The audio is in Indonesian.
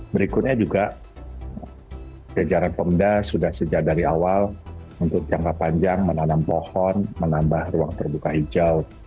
berikutnya juga jajaran pemda sudah sejak dari awal untuk jangka panjang menanam pohon menambah ruang terbuka hijau